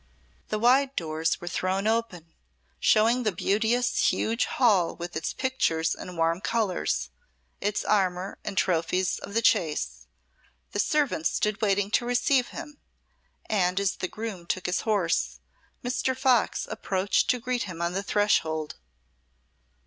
The wide doors were thrown open, showing the beauteous huge hall with its pictures and warm colours, its armour and trophies of the chase; the servants stood waiting to receive him, and as the groom took his horse, Mr. Fox approached to greet him on the threshold.